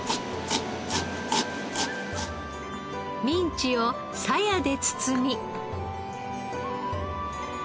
ミンチをさやで包み。